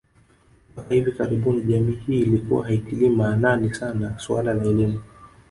Mpaka hivi karibuni jamii hii ilikuwa haitilii maanani sana suala la elimu